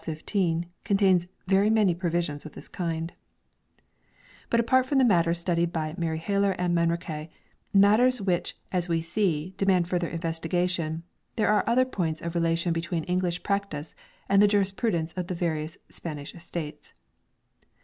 234 MAGNA CARTA AND But apart from the matters studied by Mariehalar and Manrique, matters which, as we see, demand further investigation, there are other points of rela tion between English practice and the jurisprudence of the various Spanish states.